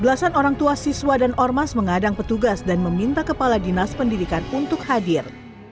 belasan orang tua siswa dan ormas mengadang petugas dan meminta kepala dinas pendidikan untuk hadir